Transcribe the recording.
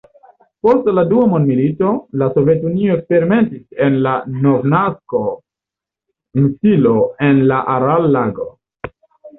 Post la dua mondmilito, la Sovetunio eksperimentis en la Novnasko-insilo en la Aral-lago.